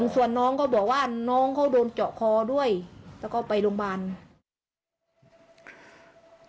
ส่วนน้องก็บอกว่าน้องเขาโดนเจาะคอด้วยแล้วก็ไปโรงพยาบาล